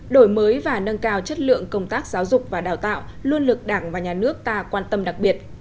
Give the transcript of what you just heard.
đổi mới và nâng cao chất lượng công tác giáo dục và đào tạo luôn được đảng và nhà nước ta quan tâm đặc biệt